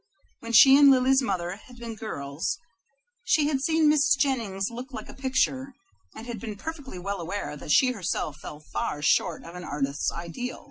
When she and Lily's mother had been girls, she had seen Mrs. Jennings look like a picture, and had been perfectly well aware that she herself fell far short of an artist's ideal.